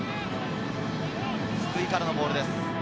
福井からのボールです。